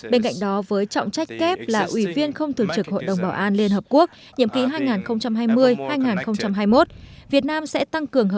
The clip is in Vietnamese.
bên cạnh đó với trọng trách kép là ủy viên không thường trực hội đồng bảo an liên hợp quốc nhiệm ký hai nghìn hai mươi hai nghìn hai mươi một